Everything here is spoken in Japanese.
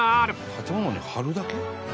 建物に貼るだけ？